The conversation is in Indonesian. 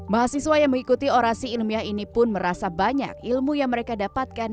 mahasiswa yang mengikuti orasi ilmiah ini pun merasa banyak ilmu yang mereka dapatkan